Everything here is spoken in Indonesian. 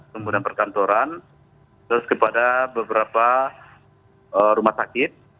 kemudian perkantoran terus kepada beberapa rumah sakit